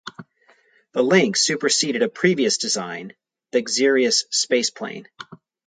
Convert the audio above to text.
The Lynx superseded a previous design, the Xerus spaceplane.